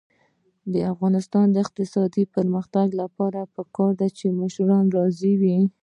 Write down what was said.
د افغانستان د اقتصادي پرمختګ لپاره پکار ده چې مشتریان راضي وي.